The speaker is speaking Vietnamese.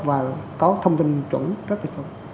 và có thông tin chuẩn rất là chuẩn